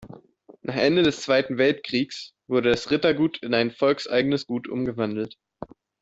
Nach Ende des Zweiten Weltkriegs wurde das Rittergut in ein Volkseigenes Gut umgewandelt.